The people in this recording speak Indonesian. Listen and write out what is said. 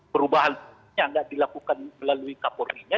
perubahan polisinya nggak dilakukan melalui kapolrinya